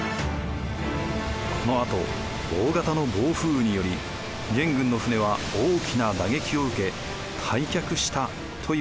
このあと大型の暴風雨により元軍の船は大きな打撃を受け退却したといわれています。